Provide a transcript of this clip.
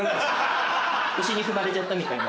牛に踏まれちゃったみたいな。